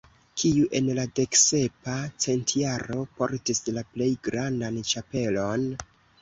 Kiu en la deksepa centjaro portis la plej grandan ĉapelon?